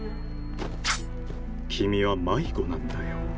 君は迷子なんだよ。